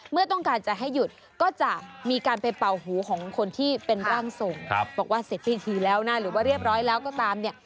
เมื่อต้องการจะให้หยุดก็จะมีการไปเป่าหูของคนที่เป็นร่างทรงบอกว่าเสร็จพิธีแล้วนะหรือว่าเรียบร้อยแล้วก็ตามเนี่ย